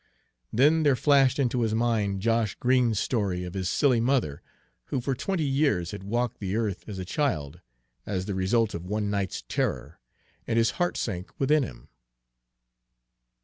Then there flashed into his mind Josh Green's story of his "silly" mother, who for twenty years had walked the earth as a child, as the result of one night's terror, and his heart sank within him.